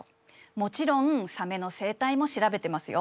もちろんサメの生態も調べてますよ。